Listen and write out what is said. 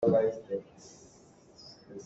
Ti hri ti cu a fiim.